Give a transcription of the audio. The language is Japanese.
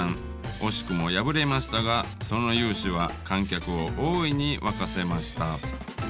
惜しくも敗れましたがその雄姿は観客を大いに沸かせました。